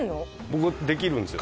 僕できるんですよ